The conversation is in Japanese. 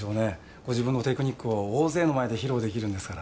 ご自分のテクニックを大勢の前で披露出来るんですから。